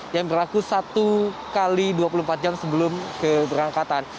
yang berlaku satu x dua puluh empat jam sebelum keberangkatan